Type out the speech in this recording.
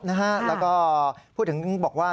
แล้วก็พูดถึงบอกว่า